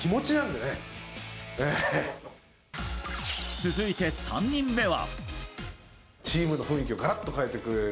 続いて３人目は。